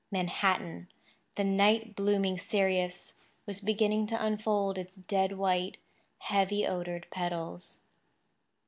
Manhattan, the night blooming cereus, was beginning to unfold its dead white, heavy odoured petals.